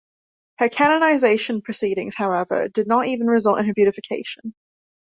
Her canonization proceedings, however, did not even result in her beatification.